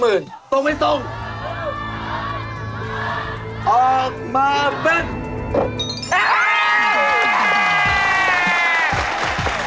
อุ๊ยจานไปดีกว่าคุณมากครับ